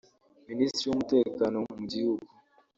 Minisitiri w’Umutekano mu Gihugu